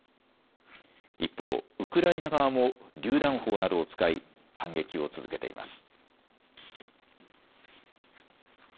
一方、ウクライナ側もりゅう弾砲などを使い反撃を続けています。